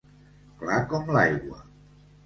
Clar com l'aigua.